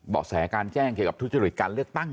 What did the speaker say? แสการแจ้งเกี่ยวกับทุจริตการเลือกตั้ง